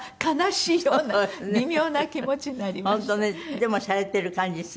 でもシャレてる感じする。